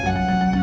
bapak juga begitu